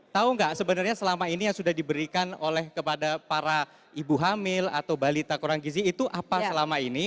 tahu nggak sebenarnya selama ini yang sudah diberikan oleh kepada para ibu hamil atau balita kurang gizi itu apa selama ini